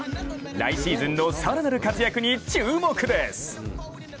来シーズンの更なる活躍に注目です。